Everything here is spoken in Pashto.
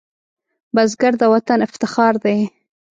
بزګر د وطن افتخار دی